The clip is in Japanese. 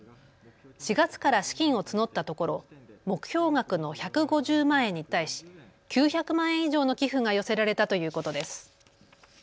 ４月から資金を募ったところ目標額の１５０万円に対し９００万円以上の寄付が寄せられたということです。